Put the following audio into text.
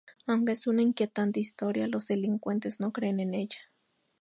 Aunque es una inquietante historia, los delincuentes no creen en ella.